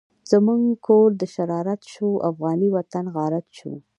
زمونږ کور دشرارت شو، افغانی وطن غارت شو